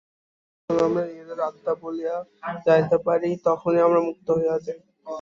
যখন আমরা নিজেদের আত্মা বলিয়া জানিতে পারি, তখনই আমরা মুক্ত হইয়া যাই।